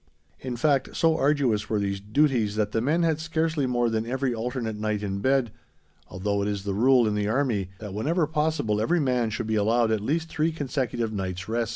In fact, so arduous were these duties that the men had scarcely more than every alternate night in bed, although it is the rule in the army that whenever possible every man should be allowed at least three consecutive nights' rest.